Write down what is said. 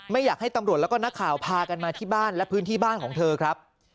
ไม่อยากให้ตำรวจแล้วก็นักข่าวพากันมาที่บ้านและพื้นที่บ้านของเธอครับ